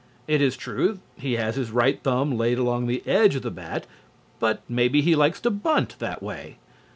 It is true he has his right thumb laid along the edge of the bat, but maybe he likes to bunt that way.